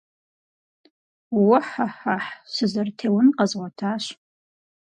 Уэ-хьэ-хьэхь! Сызэрытеун къэзгъуэтащ.